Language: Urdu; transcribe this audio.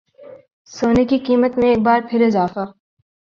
سونے کی قیمت میں ایک بار پھر اضافہ